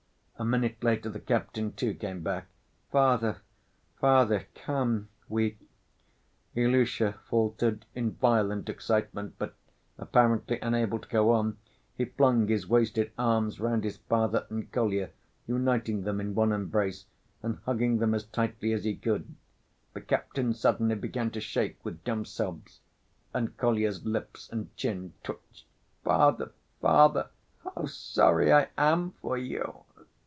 A minute later the captain, too, came back. "Father, father, come ... we ..." Ilusha faltered in violent excitement, but apparently unable to go on, he flung his wasted arms round his father and Kolya, uniting them in one embrace, and hugging them as tightly as he could. The captain suddenly began to shake with dumb sobs, and Kolya's lips and chin twitched. "Father, father! How sorry I am for you!"